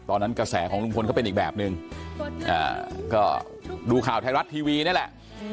กระแสของลุงพลก็เป็นอีกแบบนึงก็ดูข่าวไทยรัฐทีวีนี่แหละ